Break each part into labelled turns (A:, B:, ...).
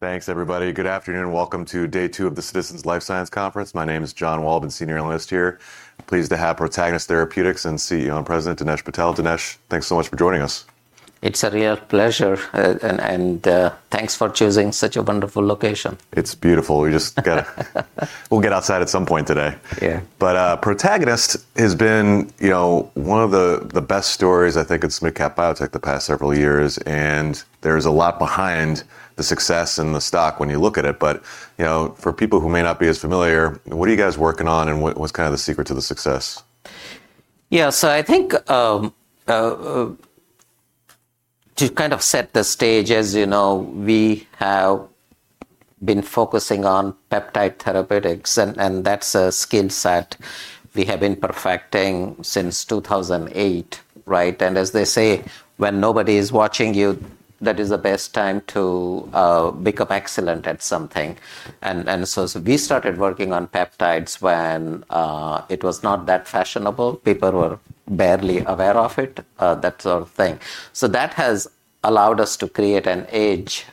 A: Thanks everybody. Good afternoon. Welcome to day two of the Citizens Life Sciences Conference. My name is John Walbon, Senior Analyst here. Pleased to have Protagonist Therapeutics and CEO and President, Dinesh Patel. Dinesh, thanks so much for joining us.
B: It's a real pleasure, and thanks for choosing such a wonderful location.
A: It's beautiful. We'll get outside at some point today.
B: Yeah.
A: Protagonist has been, you know, one of the best stories I think it's mid-cap biotech the past several years, and there's a lot behind the success and the stock when you look at it. You know, for people who may not be as familiar, what are you guys working on, and what's kind of the secret to the success?
B: Yeah. I think to kind of set the stage, as you know, we have been focusing on peptide therapeutics and that's a skill set we have been perfecting since 2008, right? As they say, when nobody is watching you, that is the best time to become excellent at something. We started working on peptides when it was not that fashionable. People were barely aware of it, that sort of thing. That has allowed us to create an edge,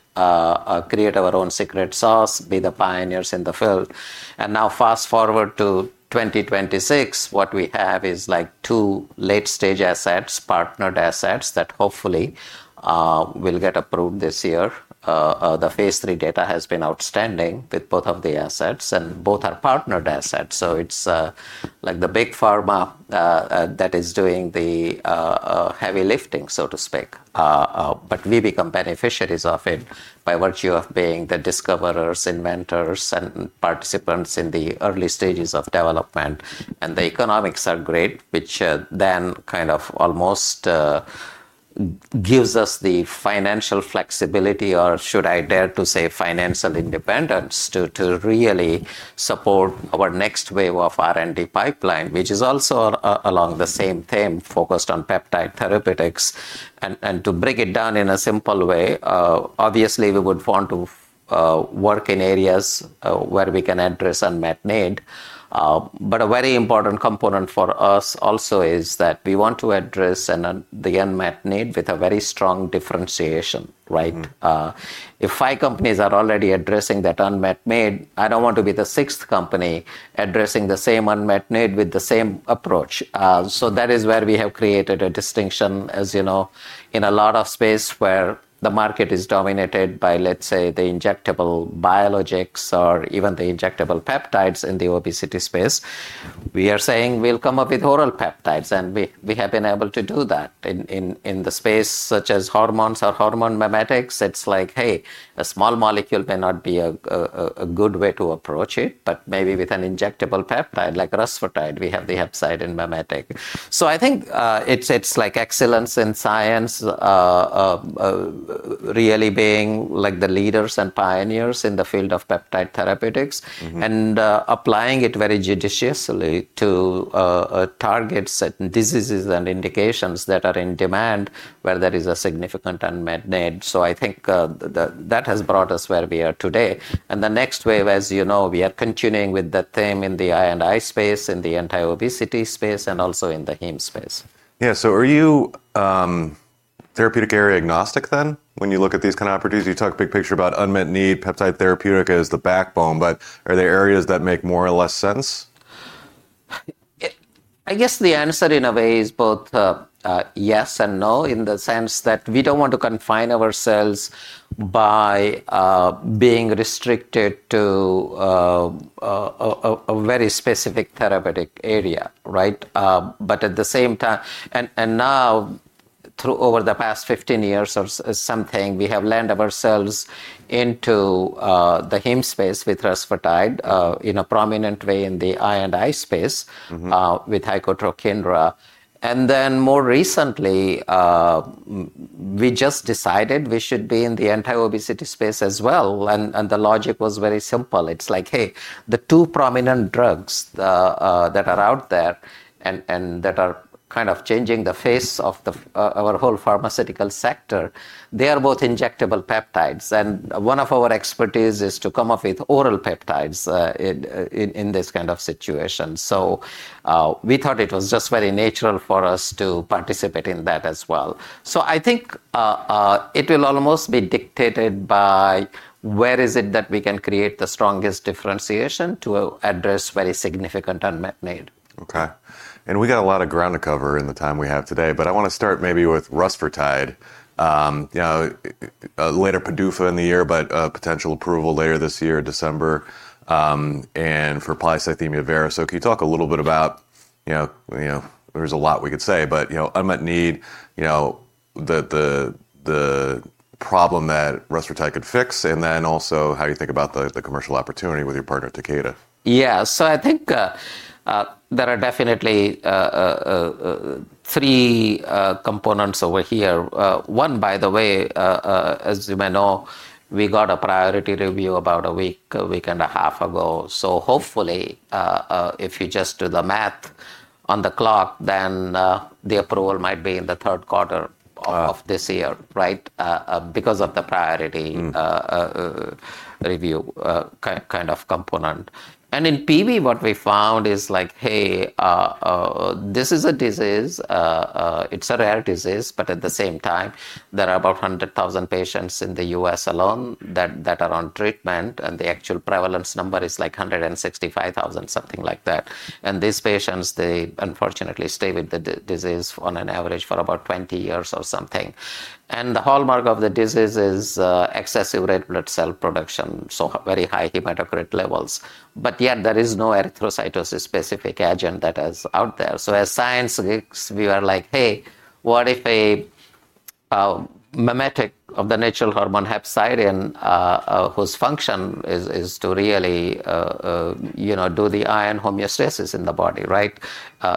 B: create our own secret sauce, be the pioneers in the field. Now fast-forward to 2026, what we have is like two late-stage assets, partnered assets that hopefully will get approved this year. The phase III data has been outstanding with both of the assets, and both are partnered assets. It's like the big pharma that is doing the heavy lifting, so to speak. We become beneficiaries of it by virtue of being the discoverers and inventors and participants in the early stages of development. The economics are great, which then kind of almost gives us the financial flexibility, or should I dare to say, financial independence to really support our next wave of R&D pipeline, which is also along the same theme, focused on peptide therapeutics. To break it down in a simple way, obviously, we would want to work in areas where we can address unmet need. A very important component for us also is that we want to address the unmet need with a very strong differentiation, right? If five companies are already addressing that unmet need, I don't want to be the sixth company addressing the same unmet need with the same approach. That is where we have created a distinction. As you know, in a lot of space where the market is dominated by, let's say, the injectable biologics or even the injectable peptides in the obesity space, we are saying we'll come up with oral peptides, and we have been able to do that in the space such as hormones or hormone mimetics. It's like, hey, a small molecule may not be a good way to approach it, but maybe with an injectable peptide like rusfertide, we have the upside in mimetic. I think, it's like excellence in science, really being like the leaders and pioneers in the field of peptide therapeutics. Applying it very judiciously to target certain diseases and indications that are in demand where there is a significant unmet need. I think that has brought us where we are today. The next wave, as you know, we are continuing with the theme in the I&I space, in the anti-obesity space, and also in the Heme space.
A: Yeah. Are you therapeutic area agnostic then when you look at these kind of opportunities? You talk big picture about unmet need, peptide therapeutic as the backbone, but are there areas that make more or less sense?
B: I guess the answer in a way is both, yes and no, in the sense that we don't want to confine ourselves by being restricted to a very specific therapeutic area, right? At the same time, now over the past 15 years or so, we have landed ourselves into the HEM space with rusfertide in a prominent way in the I&I space. With icotrokinra. Then more recently, we just decided we should be in the anti-obesity space as well, and the logic was very simple. It's like, hey, the two prominent drugs that are out there and that are kind of changing the face of the pharmaceutical sector, they are both injectable peptides. One of our expertise is to come up with oral peptides in this kind of situation. We thought it was just very natural for us to participate in that as well. I think it will almost be dictated by where is it that we can create the strongest differentiation to address very significant unmet need.
A: Okay. We got a lot of ground to cover in the time we have today, but I wanna start maybe with rusfertide. Later PDUFA in the year, but a potential approval later this year, December, and for polycythemia vera. Can you talk a little bit about, you know, you know, there's a lot we could say, but, you know, unmet need, you know, the problem that rusfertide could fix, and then also how you think about the commercial opportunity with your partner, Takeda.
B: Yeah. I think there are definitely three components over here. One, by the way, as you may know, we got a priority review about a week and a half ago. Hopefully, if you just do the math on the clock, then the approval might be in the third quarter of this year, right? Because of the priority- Review kind of component. In PV, what we found is like, hey, this is a disease, it's a rare disease, but at the same time, there are about 100,000 patients in the U.S. alone that- that are on treatment, and the actual prevalence number is like 165,000, something like that. These patients, they unfortunately stay with the disease on an average for about 20 years or something. The hallmark of the disease is excessive red blood cell production, so very high hematocrit levels. Yet there is no erythrocytosis specific agent that is out there. As science geeks, we are like, "Hey, what if a mimetic of the natural hormone hepcidin, whose function is to really, you know, do the iron homeostasis in the body, right?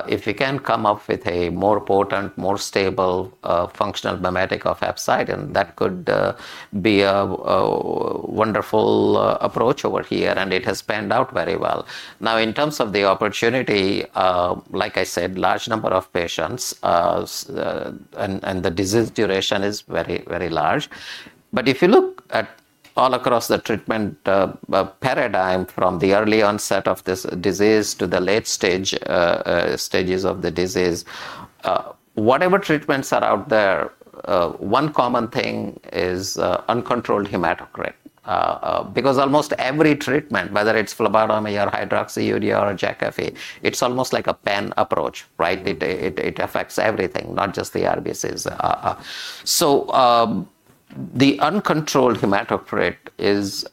B: If we can come up with a more potent, more stable, functional mimetic of hepcidin, that could be a wonderful approach over here, and it has panned out very well. Now, in terms of the opportunity, like I said, large number of patients, and the disease duration is very, very large. If you look at all across the treatment paradigm from the early onset of this disease to the late stages of the disease, whatever treatments are out there, one common thing is uncontrolled hematocrit. Because almost every treatment, whether it's phlebotomy or hydroxyurea or Jakafi, it's almost like a pan approach, right? It affects everything, not just the RBCs. The uncontrolled hematocrit is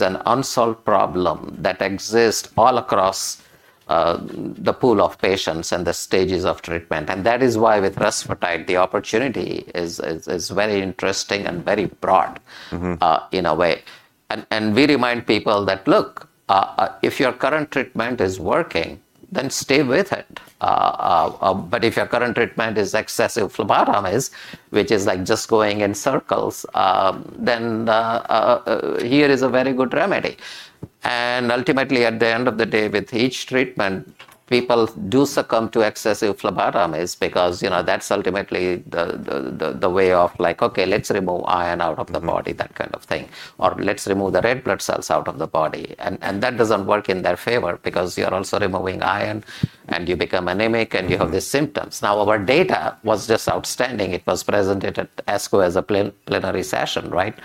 B: an unsolved problem that exists all across the pool of patients and the stages of treatment, and that is why with rusfertide, the opportunity is very interesting and very broad. In a way. We remind people that, look, if your current treatment is working, then stay with it. If your current treatment is excessive phlebotomies, which is like just going in circles, then here is a very good remedy. Ultimately, at the end of the day, with each treatment, people do succumb to excessive phlebotomies because, you know, that's ultimately the way of like, okay, let's remove iron out of the body, that kind of thing, or let's remove the red blood cells out of the body. That doesn't work in their favor because you're also removing iron, and you become anemic, and you have the symptoms. Now, our data was just outstanding. It was presented at ASCO as a plenary session, right?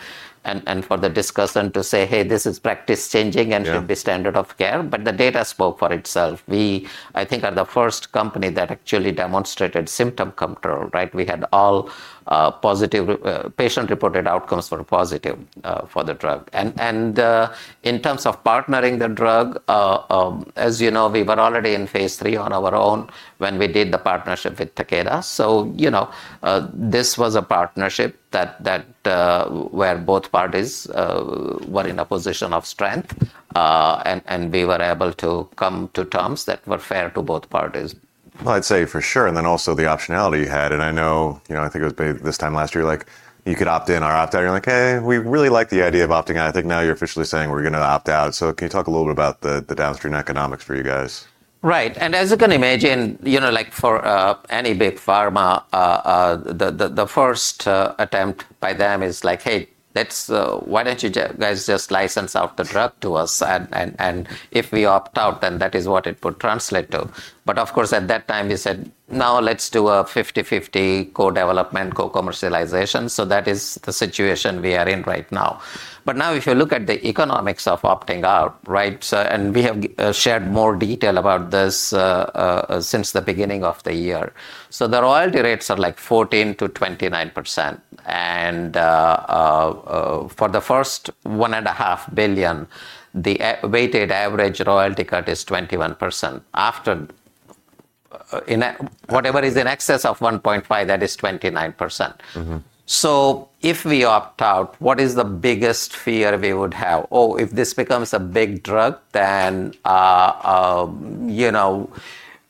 B: for the discussant to say, "Hey, this is practice-changing.
A: Yeah
B: “should be standard of care,” The data spoke for itself. We, I think, are the first company that actually demonstrated symptom control, right? We had all positive patient-reported outcomes were positive for the drug. In terms of partnering the drug, as you know, we were already in phase III on our own when we did the partnership with Takeda. You know, this was a partnership that where both parties were in a position of strength, and we were able to come to terms that were fair to both parties.
A: Well, I'd say for sure. Then also the optionality you had, and I know, you know, I think it was this time last year, like you could opt in or opt out. You're like, "Hey, we really like the idea of opting out." I think now you're officially saying, "We're gonna opt out." Can you talk a little bit about the downstream economics for you guys?
B: Right. As you can imagine, you know, like for any big pharma, the first attempt by them is like, "Hey, let's, why don't you guys just license out the drug to us?" If we opt out, then that is what it would translate to. Of course, at that time, we said, "Now let's do a 50-50 co-development, co-commercialization." That is the situation we are in right now. Now if you look at the economics of opting out, right? We have shared more detail about this since the beginning of the year. The royalty rates are like 14%-29%. For the first $1.5 billion, the weighted average royalty rate is 21%. Whatever is in excess of 1.5, that is 29%. If we opt out, what is the biggest fear we would have? If this becomes a big drug, then, you know,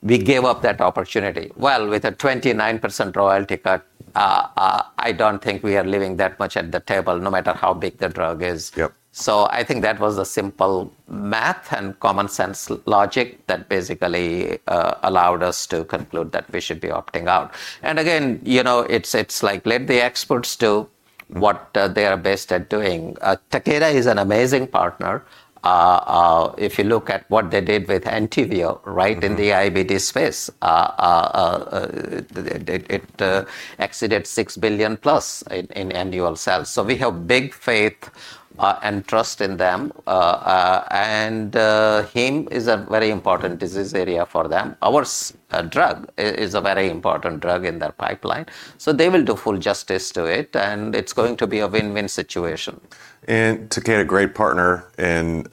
B: we give up that opportunity. Well, with a 29% royalty cut, I don't think we are leaving that much at the table, no matter how big the drug is.
A: Yep.
B: I think that was a simple math and common sense logic that basically allowed us to conclude that we should be opting out. Again, you know, it's like let the experts do what They are best at doing. Takeda is an amazing partner, if you look at what they did with Entyvio, right? In the IBD space. It exceeded $6 billion-plus in annual sales. We have big faith and trust in them. HEM is a very important disease area for them. Our drug is a very important drug in their pipeline, so they will do full justice to it, and it's going to be a win-win situation.
A: Takeda, great partner and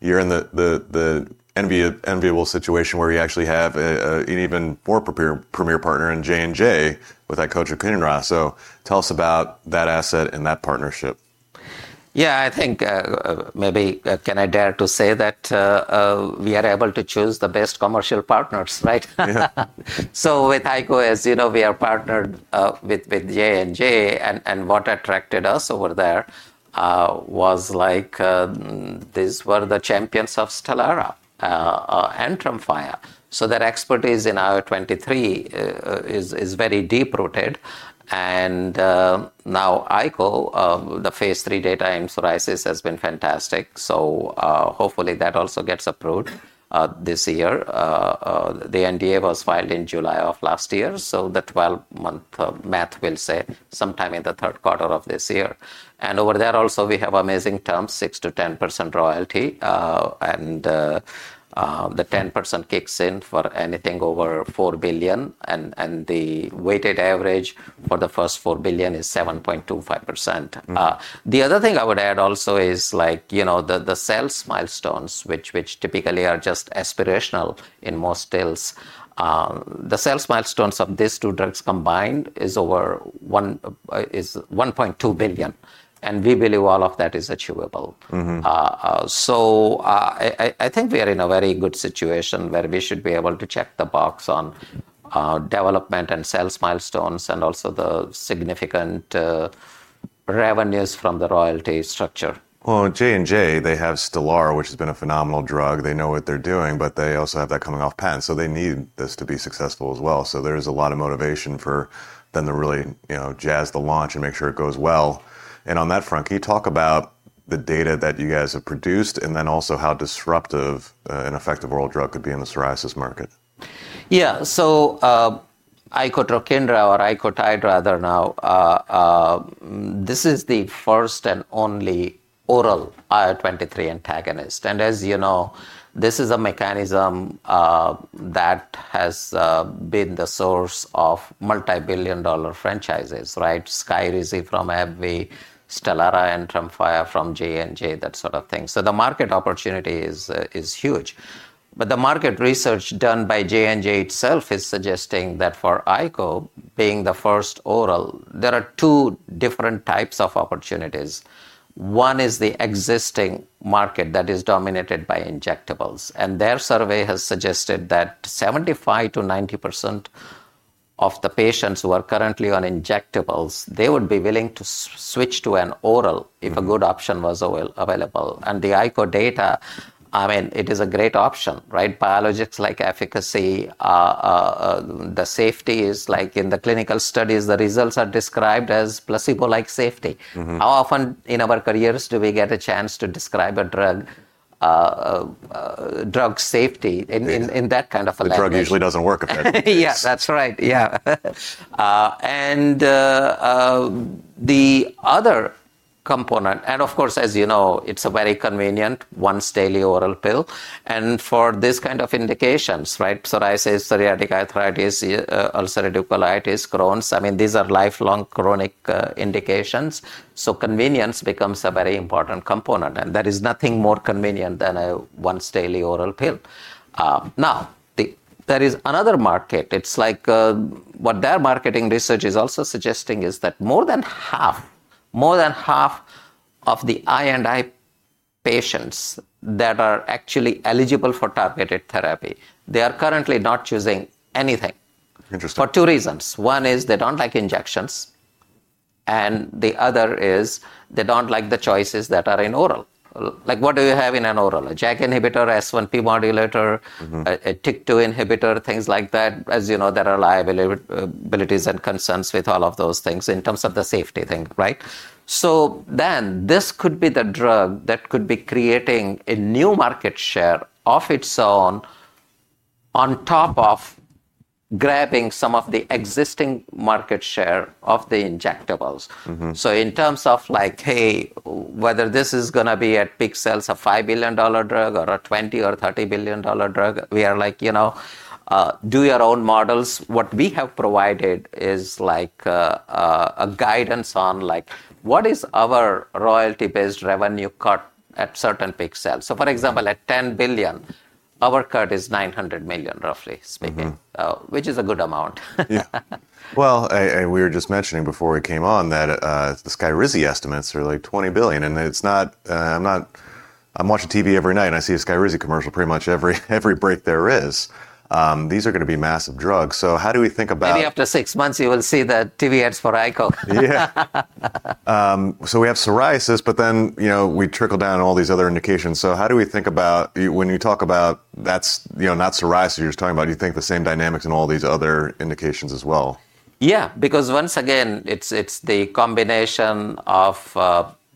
A: you're in the enviable situation where you actually have an even more premier partner in J&J with that icotrokinra. Tell us about that asset and that partnership.
B: Yeah, I think, maybe can I dare to say that we are able to choose the best commercial partners, right?
A: Yeah.
B: With icotrokinra, as you know, we are partnered with J&J. What attracted us over there was these were the champions of Stelara, Tremfya. Their expertise in IL-23 is very deep-rooted. Now icotrokinra, the phase III data in psoriasis has been fantastic, hopefully that also gets approved this year. The NDA was filed in July of last year, the 12-month math will say sometime in the third quarter of this year. Over there also we have amazing terms, 6%-10% royalty. The 10% kicks in for anything over $4 billion. The weighted average for the first $4 billion is 7.25%. The other thing I would add also is like, you know, the sales milestones, which typically are just aspirational in most deals. The sales milestones of these two drugs combined is $1.2 billion, and we believe all of that is achievable. I think we are in a very good situation where we should be able to check the box on development and sales milestones and also the significant revenues from the royalty structure.
A: Well, J&J, they have Stelara, which has been a phenomenal drug. They know what they're doing, but they also have that coming off patent, so they need this to be successful as well. There's a lot of motivation for them to really, you know, jazz the launch and make sure it goes well. On that front, can you talk about the data that you guys have produced, and then also how disruptive an effective oral drug could be in the psoriasis market?
B: Yeah. icotrokinra, or iCoTIDE rather now, this is the first and only oral IL-23 antagonist. As you know, this is a mechanism that has been the source of multi-billion-dollar franchises, right? Skyrizi from AbbVie, Stelara and Tremfya from J&J, that sort of thing. The market opportunity is huge. The market research done by J&J itself is suggesting that for iCo being the first oral, there are two different types of opportunities. One is the existing market that is dominated by injectables, and their survey has suggested that 75%-90% of the patients who are currently on injectables, they would be willing to switch to an oral if a good option was available. The iCo data, I mean, it is a great option, right? Biologics like efficacy, the safety is like in the clinical studies, the results are described as placebo-like safety. How often in our careers do we get a chance to describe a drug safety?
A: Yeah
B: in that kind of a language?
A: The drug usually doesn't work if it does.
B: Yeah, that's right. Yeah. The other component. Of course, as you know, it's a very convenient once daily oral pill. For this kind of indications, right, psoriasis, psoriatic arthritis, ulcerative colitis, Crohn's, I mean, these are lifelong chronic indications, so convenience becomes a very important component. There is nothing more convenient than a once daily oral pill. Now, there is another market. It's like, what their marketing research is also suggesting is that more than half of the I&I patients that are actually eligible for targeted therapy, they are currently not choosing anything.
A: Interesting.
B: For two reasons. One is they don't like injections, and the other is they don't like the choices that are in oral. Like what do you have in an oral? A JAK inhibitor, S1P modulator. A TYK2 inhibitor, things like that. As you know, there are liabilities and concerns with all of those things in terms of the safety thing, right? This could be the drug that could be creating a new market share of its own on top of grabbing some of the existing market share of the injectables. In terms of like, hey, whether this is gonna be at peak sales, a $5 billion dollar drug or a 20 or a 30 billion dollar drug, we are like, you know, do your own models. What we have provided is like, a guidance on like what is our royalty-based revenue cut at certain peak sales. For example, at $10 billion, our cut is $900 million, roughly speaking. Which is a good amount.
A: Yeah. Well, we were just mentioning before we came on that the Skyrizi estimates are like $20 billion, and it's not. I'm watching TV every night, and I see a Skyrizi commercial pretty much every break there is. These are gonna be massive drugs. How do we think about-
B: Maybe after six months you will see the TV ads for iCo.
A: Yeah. We have psoriasis, but then, you know, we trickle down all these other indications. How do we think about when you talk about that's, you know, not psoriasis you're just talking about? Do you think the same dynamics in all these other indications as well?
B: Yeah. Because once again, it's the combination of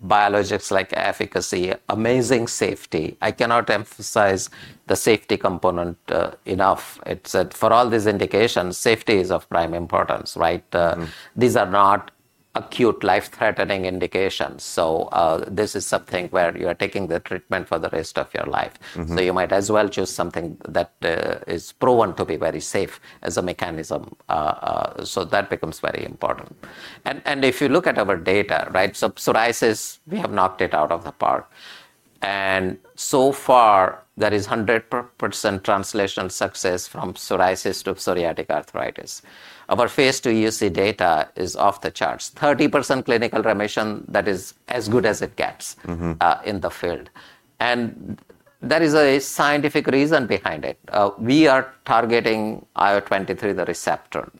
B: biologics like efficacy, amazing safety. I cannot emphasize the safety component enough. It's for all these indications, safety is of prime importance, right? These are not acute life-threatening indications. This is something where you are taking the treatment for the rest of your life. You might as well choose something that is proven to be very safe as a mechanism. That becomes very important. If you look at our data, right, psoriasis, we have knocked it out of the park. So far, that is 100% translation success from psoriasis to psoriatic arthritis. Our phase II UC data is off the charts. 30% clinical remission, that is as good as it gets. in the field. There is a scientific reason behind it. We are targeting IL-23, the receptor,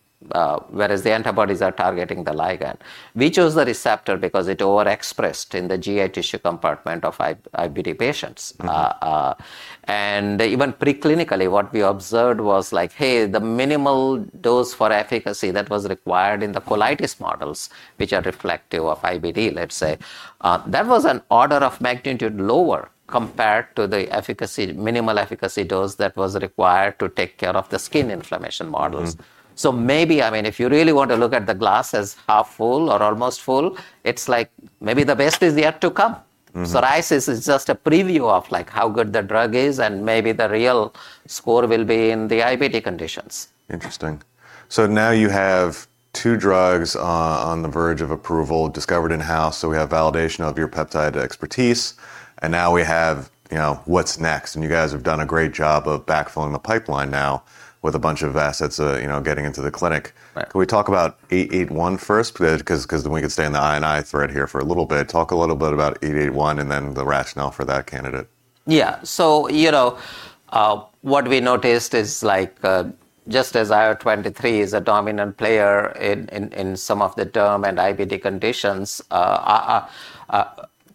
B: whereas the antibodies are targeting the ligand. We chose the receptor because it overexpressed in the GI tissue compartment of IBD patients. Even preclinically, what we observed was like, hey, the minimal dose for efficacy that was required in the colitis models, which are reflective of IBD, let's say, that was an order of magnitude lower compared to the efficacy, minimal efficacy dose that was required to take care of the skin inflammation models. Maybe, I mean, if you really want to look at the glass as half full or almost full, it's like maybe the best is yet to come. Psoriasis is just a preview of like how good the drug is, and maybe the real score will be in the IBD conditions.
A: Interesting. Now you have two drugs on the verge of approval discovered in-house. We have validation of your peptide expertise, and now we have, you know, what's next. You guys have done a great job of backfilling the pipeline now with a bunch of assets, you know, getting into the clinic.
B: Right.
A: Can we talk about PN-881 first? 'Cause then we can stay in the I&I thread here for a little bit. Talk a little bit about PN-881 and then the rationale for that candidate.
B: Yeah. You know, what we noticed is like, just as IL-23 is a dominant player in some of the DERM and IBD conditions,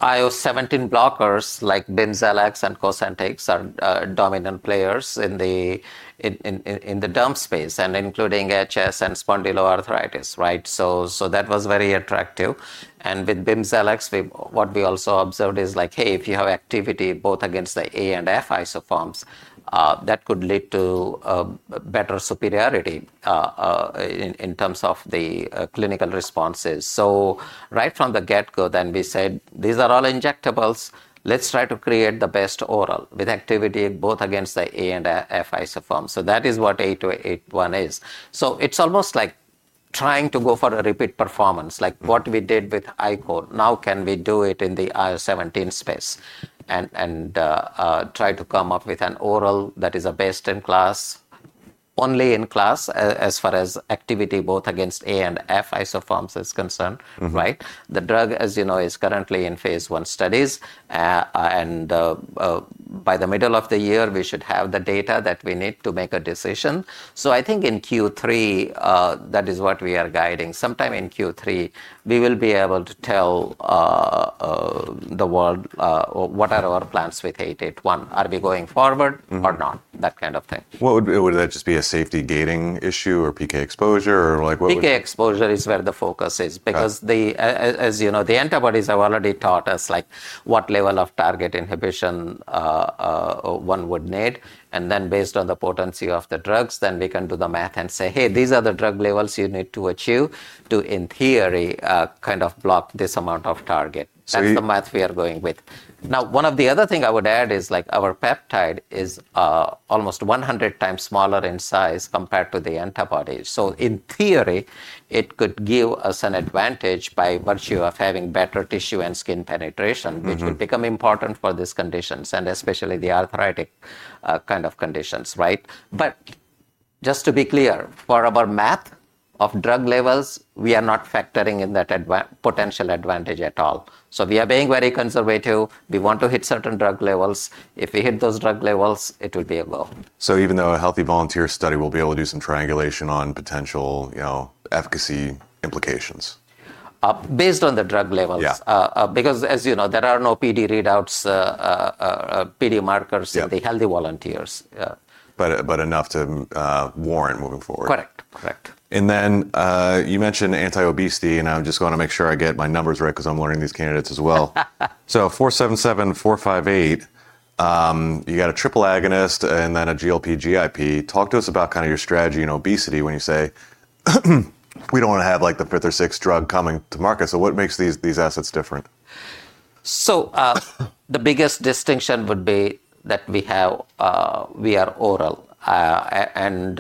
B: IL-17 blockers like Bimzelx and Cosentyx are dominant players in the DERM space, and including HS and spondyloarthritis, right? That was very attractive. With Bimzelx, what we also observed is like, hey, if you have activity both against the A and F isoforms, that could lead to better superiority in terms of the clinical responses. Right from the get-go then we said, "These are all injectables. Let's try to create the best oral with activity both against the A and F isoforms." That is what PN-881 is. It's almost like trying to go for a repeat performance, like what we did with icotrokinra. Now can we do it in the IL-17 space and try to come up with an oral that is a best in class, only in class as far as activity both against A and F isoforms is concerned. Right? The drug, as you know, is currently in phase I studies. By the middle of the year, we should have the data that we need to make a decision. I think in Q3, that is what we are guiding. Sometime in Q3, we will be able to tell the world what are our plans with PN-881. Are we going forward or not? That kind of thing.
A: Would that just be a safety gating issue or PK exposure? Or like what would-
B: PK exposure is where the focus is because.
A: Got it....
B: the, as you know, the antibodies have already taught us like what level of target inhibition one would need. Then based on the potency of the drugs, then we can do the math and say, "Hey, these are the drug levels you need to achieve to, in theory, kind of block this amount of target.
A: So you-
B: That's the math we are going with. Now, one of the other thing I would add is like our peptide is almost 100x smaller in size compared to the antibodies. In theory, it could give us an advantage by virtue of having better tissue and skin penetration.... which will become important for these conditions, and especially the arthritic, kind of conditions, right? Just to be clear, for our math of drug levels, we are not factoring in that potential advantage at all. We are being very conservative. We want to hit certain drug levels. If we hit those drug levels, it will be a go.
A: Even though a healthy volunteer study will be able to do some triangulation on potential, you know, efficacy implications.
B: Based on the drug levels.
A: Yeah.
B: Because as you know, there are no PD readouts, PD markers.
A: Yeah
B: With the healthy volunteers. Yeah.
A: enough to warrant moving forward.
B: Correct. Correct.
A: You mentioned anti-obesity, and I'm just gonna make sure I get my numbers right 'cause I'm learning these candidates as well. PN-477, PN-458, you got a triple agonist and then a GLP GIP. Talk to us about kind of your strategy in obesity when you say, "We don't wanna have like the fifth or sixth drug coming to market." What makes these assets different?
B: The biggest distinction would be that we have, we are oral, and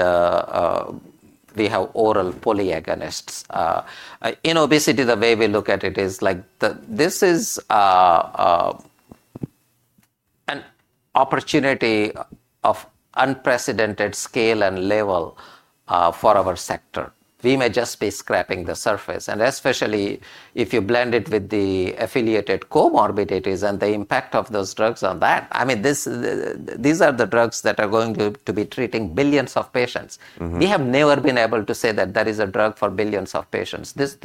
B: we have oral polyagonists. In obesity, the way we look at it is like this is an opportunity of unprecedented scale and level for our sector. We may just be scraping the surface, and especially if you blend it with the affiliated comorbidities and the impact of those drugs on that. I mean, this, these are the drugs that are going to be treating billions of patients. We have never been able to say that there is a drug for billions of patients. This.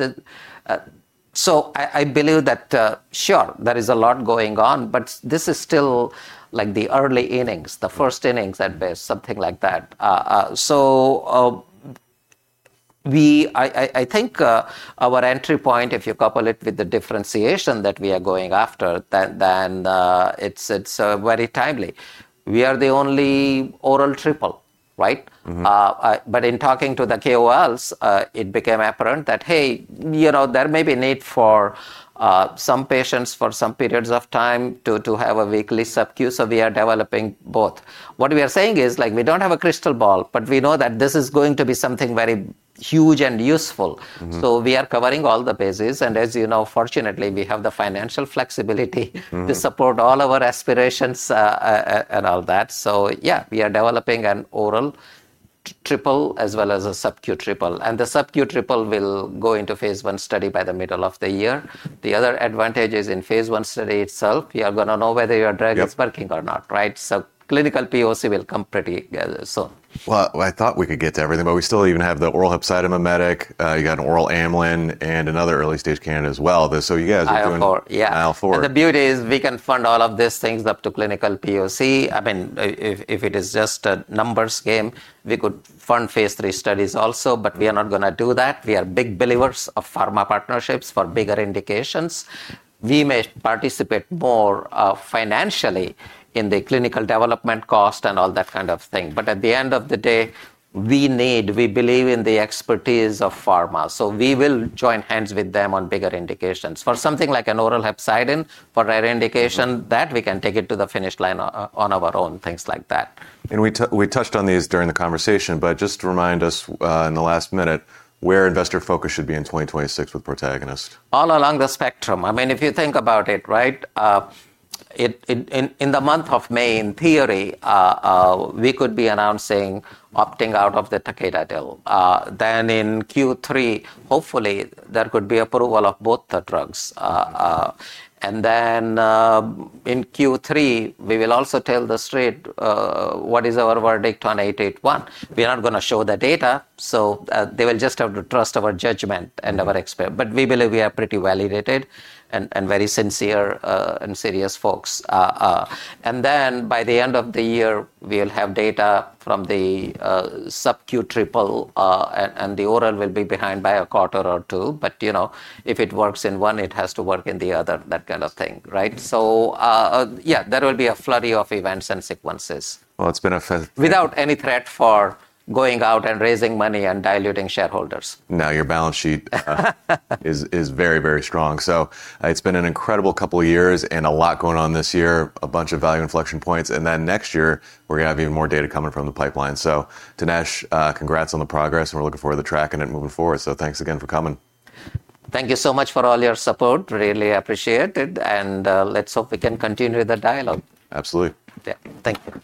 B: I think our entry point, if you couple it with the differentiation that we are going after, then it's very timely. We are the only oral triple, right? In talking to the KOLs, it became apparent that, hey, you know, there may be a need for some patients for some periods of time to have a weekly sub-Q, so we are developing both. What we are saying is, like we don't have a crystal ball, but we know that this is going to be something very huge and useful. We are covering all the bases. As you know, fortunately, we have the financial flexibility. to support all our aspirations and all that. Yeah, we are developing an oral triple as well as a subQ triple. The subQ triple will go into phase I study by the middle of the year. The other advantage is in phase I study itself, you are gonna know whether your drug.
A: Yep
B: is working or not, right? Clinical POC will come pretty soon.
A: Well, I thought we could get to everything, but we still even have the oral hepcidin mimetic, you got an oral amylin, and another early stage candidate as well. You guys are doing-
B: Mile 4. Yeah....
A: MYL4.
B: The beauty is we can fund all of these things up to clinical POC. I mean, if it is just a numbers game, we could fund phase III studies also, but we are not gonna do that. We are big believers of pharma partnerships for bigger indications. We may participate more financially in the clinical development cost and all that kind of thing. At the end of the day, we need, we believe in the expertise of pharma. We will join hands with them on bigger indications. For something like an oral hepcidin for rare indication. that we can take it to the finish line on our own, things like that.
A: We touched on these during the conversation, but just to remind us, in the last minute where investor focus should be in 2026 with Protagonist.
B: All along the spectrum. I mean, if you think about it, right, in the month of May, in theory, we could be announcing opting out of the Takeda deal. In Q3, hopefully, there could be approval of both the drugs. In Q3, we will also tell the street what is our verdict on 881. We are not gonna show the data, so they will just have to trust our judgment and our expertise, but we believe we are pretty well-regarded and very sincere and serious folks. By the end of the year, we'll have data from the subQ triple, and the oral will be behind by a quarter or two. You know, if it works in one, it has to work in the other, that kind of thing, right? Yeah, there will be a flurry of events and sequences.
A: Well, it's been a fe-
B: Without any threat for going out and raising money and diluting shareholders.
A: Now your balance sheet is very, very strong. It's been an incredible couple of years and a lot going on this year, a bunch of value inflection points. Next year, we're gonna have even more data coming from the pipeline. Dinesh, congrats on the progress, and we're looking forward to tracking it moving forward. Thanks again for coming.
B: Thank you so much for all your support. Really appreciate it. Let's hope we can continue the dialogue.
A: Absolutely.
B: Yeah. Thank you.